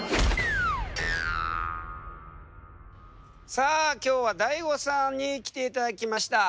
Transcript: さあ今日はＤＡＩＧＯさんに来ていただきました。